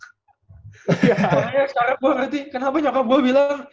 karena secara gue berarti kenapa nyokap gue bilang